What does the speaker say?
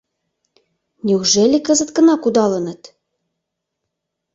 Неужели кызыт гына кудалыныт?